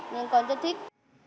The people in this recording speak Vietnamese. nên con rất thích